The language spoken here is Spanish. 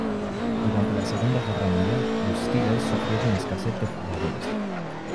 Durante la Segunda Guerra Mundial, los Steelers sufrieron escasez de jugadores.